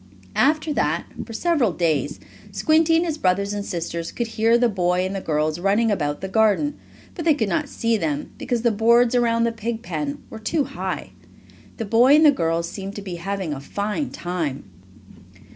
After that, for several days, Squinty and his brothers and sisters could hear the boy and the girls running about the garden, but they could not see them because the boards around the pig pen were too high. The boy and the girls seemed to be having a fine time.